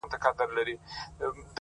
ستا د پښې پايزيب مي تخنوي گلي”